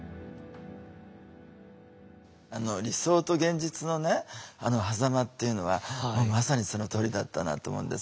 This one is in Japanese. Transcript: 理想と現実のねはざまっていうのはまさにそのとおりだったなと思うんですよ。